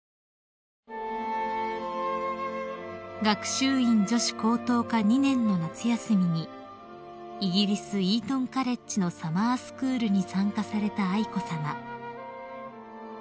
［学習院女子高等科２年の夏休みにイギリスイートン・カレッジのサマースクールに参加された愛子さま］